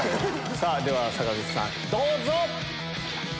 では坂口さんどうぞ。